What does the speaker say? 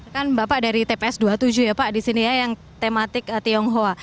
kan bapak dari tps dua puluh tujuh ya pak di sini ya yang tematik tionghoa